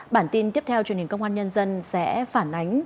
bản tin tiếp theo truyền hình công an nhân dân sẽ phản ánh